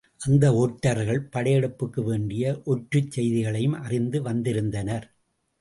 அந்த ஒற்றர்கள் படையெடுப்புக்கு வேண்டிய ஒற்றுச் செய்திகளையும் அறிந்து வந்திருந்தனர்.